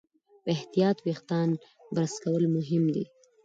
په احتیاط وېښتيان برس کول مهم دي.